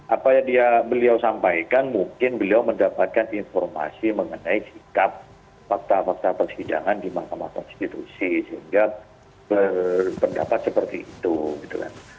apa yang beliau sampaikan mungkin beliau mendapatkan informasi mengenai sikap fakta fakta persidangan di mahkamah konstitusi sehingga berpendapat seperti itu gitu kan